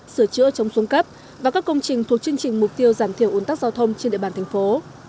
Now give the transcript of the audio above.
sửa chữa chống xuống cấp và các công trình thuộc chương trình mục tiêu giảm thiểu ủn tắc giao thông trên địa bàn thành phố